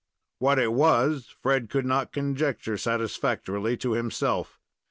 What it was, Fred could not conjecture satisfactorily to himself.